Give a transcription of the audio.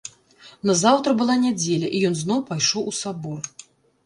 Назаўтра была нядзеля, і ён зноў пайшоў у сабор.